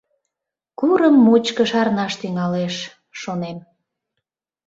Курым мучко шарнаш тӱҥалеш, шонем.